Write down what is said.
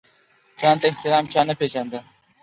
ځان ته احترام چا نه پېژانده.